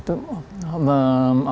itu pasti ada